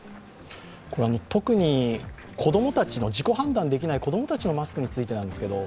特に自己判断できない子供たちのマスクについてなんですけど